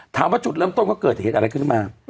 ถามว่าจุดเริ่มต้นก็เกิดเหตุอะไรขึ้นมา